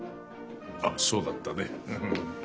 あっそうだったね。